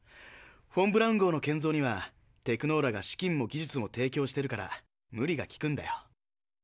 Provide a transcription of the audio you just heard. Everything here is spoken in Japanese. フォン・ブラウン号の建造にはテクノーラが資金も技術も提供してるから無理がきくんだよ。